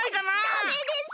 ダメです！